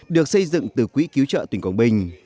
được xây dựng từ quỹ cứu trợ tỉnh quảng bình